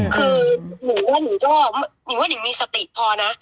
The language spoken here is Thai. คือหนิงว่าหนิงมีสติพอนะ